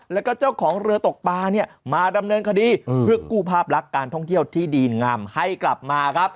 แล้วก็เจ้าของเรือตกปลาเนี่ยมาดำเนินคดีเพื่อกู้ภาพลักษณ์การท่องเที่ยวที่ดีงามให้กลับมาครับ